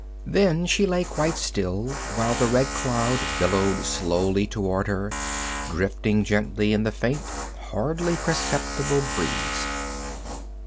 Then she lay quite still while the red cloud billowed slowly toward her, drifting gently in the faint, hardly perceptible breeze.